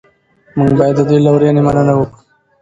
موږ باید د دې لورینې مننه وکړو.